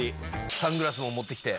サングラスも持ってきて。